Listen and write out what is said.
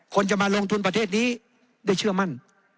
คนจะมาลงทุนประเทศนี้ได้เชื่อมั่น